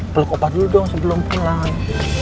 peluk opa dulu dong sebelum pulang